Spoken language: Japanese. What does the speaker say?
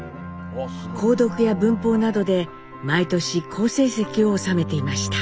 講読や文法などで毎年好成績を収めていました。